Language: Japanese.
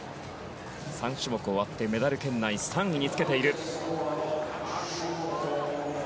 ３種目終わってメダル圏内３位につけている。